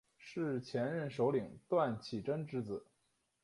是前任首领段乞珍之子。